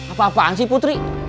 apa apaan sih putri